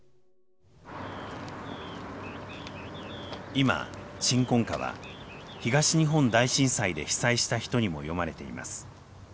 今「鎮魂歌」は東日本大震災で被災した人にも読まれています。